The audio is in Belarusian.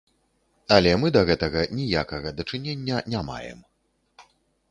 Але мы да гэтага ніякага дачынення не маем.